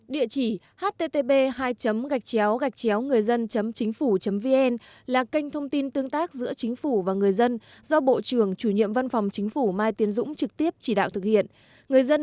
địa chỉ http ngườidân chínhphủ vn